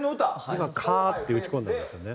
今「か」って打ち込んだんですよね。